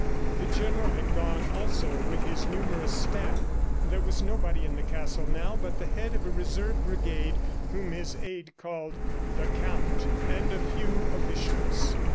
The General had gone also with his numerous staff. There was nobody in the castle now but the head of a Reserve brigade whom his aide called "The Count," and a few officials.